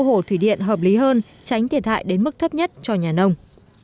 hồ thủy điện hợp lý hơn tránh thiệt hại đến mức thấp nhất cho nhà nông